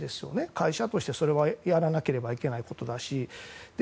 会社として、それはやらなければいけないことだし。